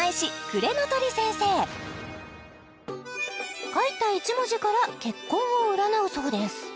暮れの酉先生書いた一文字から結婚を占うそうです